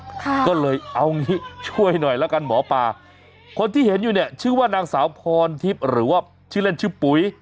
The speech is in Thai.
ก็เลยเอางี้ช่วยหน่อยแล้วกันหมอปลาคนที่เห็นอยู่เนี่ยชื่อว่านางสาวพรทิพย์หรือว่าชื่อเล่นชื่อปุ๋ย